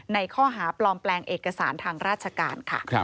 ในข้อหาปลอมแปลงเอกสารทางราชการค่ะ